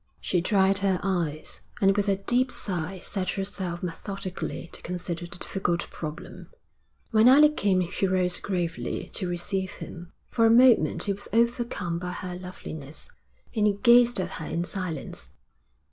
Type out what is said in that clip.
She dried her eyes, and with a deep sigh set herself methodically to consider the difficult problem. When Alec came she rose gravely to receive him. For a moment he was overcome by her loveliness, and he gazed at her in silence.